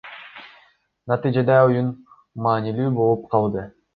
Натыйжада оюн маанилүү болуп калды.